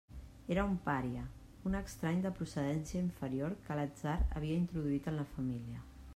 Era un pària, un estrany de procedència inferior que l'atzar havia introduït en la família.